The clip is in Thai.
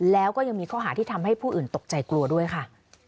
แล้วก็ยังมีข้อหาที่ทำให้ผู้อื่นตกใจกลัวด้วยค่ะ